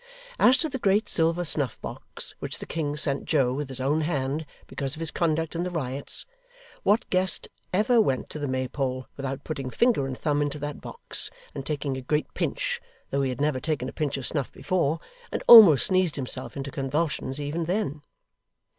As to the great silver snuff box which the King sent Joe with his own hand, because of his conduct in the Riots, what guest ever went to the Maypole without putting finger and thumb into that box, and taking a great pinch, though he had never taken a pinch of snuff before, and almost sneezed himself into convulsions even then?